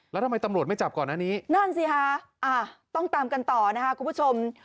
แล้วทำไมตำรวจไม่จับก่อนอันนี้นั่นสิค่ะต้องตามกันต่อนะคะคุณผู้ชม